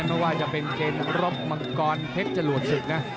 ไม่ว่าจะเป็นเกมรบมังกรเพชรจรวดศึกนะ